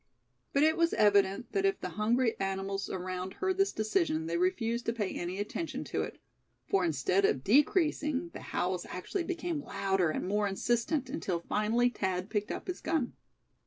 But it was evident that if the hungry animals around heard this decision they refused to pay any attention to it; for instead of decreasing, the howls actually became louder and more insistent, until finally Thad picked up his gun.